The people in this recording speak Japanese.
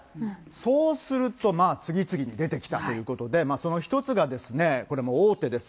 そうすると、次々に出てきたということで、その一つが、これも大手です。